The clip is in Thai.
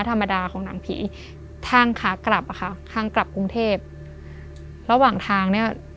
ธรรมดาของหนังผีทางขากลับอ่ะค่ะทางกลับกรุงเทพระหว่างทางเนี้ย